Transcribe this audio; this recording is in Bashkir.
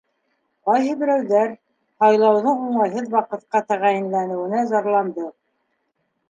Ҡайһы берәүҙәр һайлауҙың уңайһыҙ ваҡытҡа тәғәйенләнеүенә зарланды.